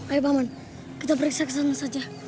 ayo paman kita periksa kesana saja